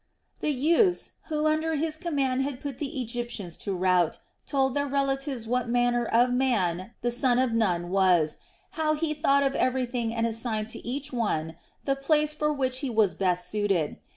The youths who under his command had put the Egyptians to rout, told their relatives what manner of man the son of Nun was, how he thought of everything and assigned to each one the place for which he was best suited.